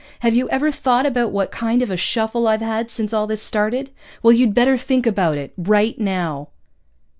Have you ever thought about what kind of a shuffle I've had since all this started? Well, you'd better think about it. _Right now.